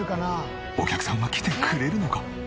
お客さんは来てくれるのか？